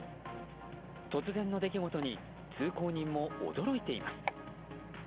突然の出来事に通行人も驚いています。